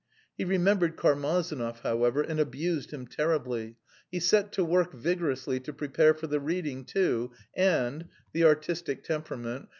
He remembered Karmazinov, however, and abused him terribly. He set to work vigorously to prepare for the reading too and the artistic temperament!